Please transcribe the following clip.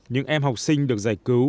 những em học sinh được giải cứu